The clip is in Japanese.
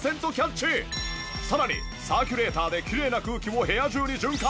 さらにサーキュレーターできれいな空気を部屋中に循環。